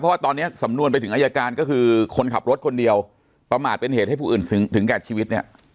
เพราะว่าตอนนี้สำนวนไปถึงอายการก็คือคนขับรถคนเดียวประมาทเป็นเหตุให้ผู้อื่นถึงแก่ชีวิตเนี่ย